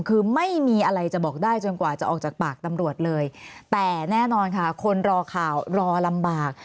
คือไม่มีอะไรจะบอกได้จนกว่าจะออกจากปากตำรวจเลยแต่แน่นอนค่ะคนรอข่าวรอลำบาก